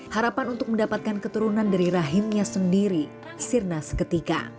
harapan untuk mendapatkan keturunan dari rahimnya sendiri sirna seketika